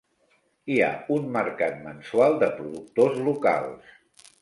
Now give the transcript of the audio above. Hi ha un mercat mensual de productors locals.